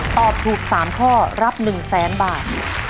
ตอบถูก๓ข้อรับ๑๐๐๐๐๐บาท